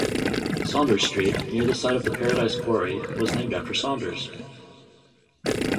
Saunders Street, near the site of the Paradise quarry, was named after Saunders.